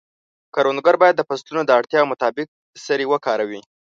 کروندګر باید د فصلونو د اړتیاوو مطابق سرې وکاروي.